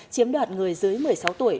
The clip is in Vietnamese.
chiếm đoạt người dưới một mươi sáu tuổi